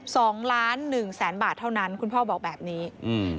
สองล้านหนึ่งแสนบาทเท่านั้นคุณพ่อบอกแบบนี้อืม